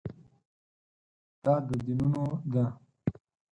دا د دینونو ده.